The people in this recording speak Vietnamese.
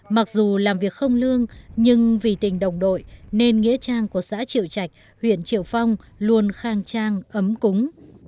mặc dù làm việc không lương nhưng vì tình đồng đội nên nghĩa trang của xã triệu trạch huyện triệu phong luôn khang trang ấm cúng